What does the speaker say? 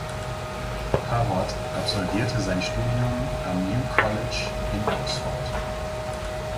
Harrod absolvierte sein Studium am New College in Oxford.